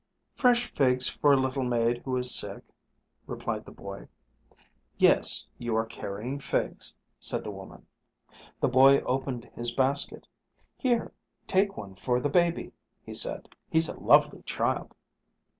"Fresh figs for a little maid who is sick," replied the boy. "Yes, you are carrying figs," said the woman. The boy opened his basket. "Here, take one for the baby," he said. "He's a lovely child."